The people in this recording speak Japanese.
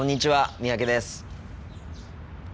三宅です。